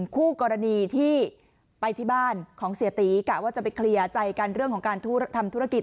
คู่กรณีที่ไปที่บ้านของเสียตีกะว่าจะไปเคลียร์ใจกันเรื่องของการทำธุรกิจ